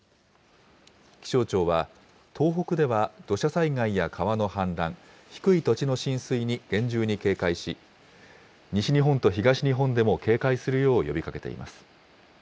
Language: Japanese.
気象庁は、東北では土砂災害や川の氾濫、低い土地の浸水に厳重に警戒し、西日本と東日本でも警戒するよう呼びかけています。